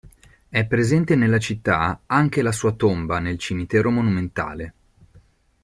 È presente nella città anche la sua tomba nel cimitero monumentale.